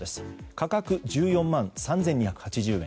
価格１４万３２８０円。